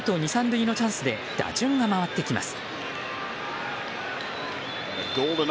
２、３塁のチャンスで打順が回ってきます。